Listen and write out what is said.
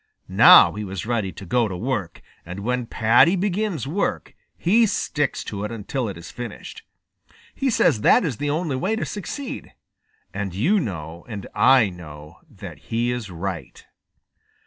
Now he was ready to go to work, and when Paddy begins work, he sticks to it until it is finished. He says that is the only way to succeed, and you know and I know that he is right.